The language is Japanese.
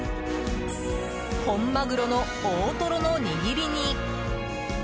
本マグロの大トロの握りに。